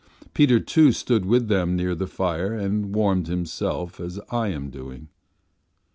Peter, too, stood with them near the fire and warmed himself as I am doing.